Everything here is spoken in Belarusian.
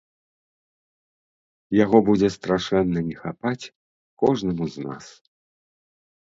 Яго будзе страшэнна не хапаць кожнаму з нас.